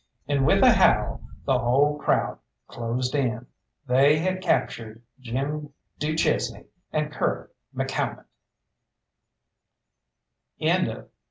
And with a howl the whole crowd closed in. They had captured Jim du Chesnay and Curly McCalmont!